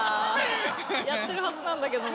やってるはずなんだけどな。